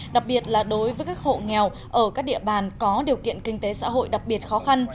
đặc biệt là đối với các hộ nghèo ở các địa bàn có điều kiện kinh tế xã hội đặc biệt khó khăn